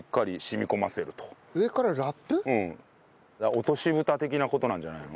落とし蓋的な事なんじゃないの？